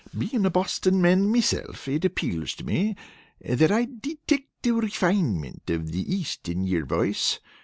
Bein' a Boston man meself, it appeals to me, that I detict the refinemint of the East in yer voice.